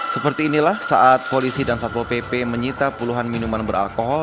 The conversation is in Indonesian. seperti inilah saat polisi dan satpol pp menyita puluhan minuman beralkohol